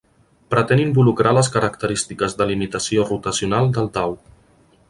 Pretén involucrar les característiques de limitació rotacional del dau.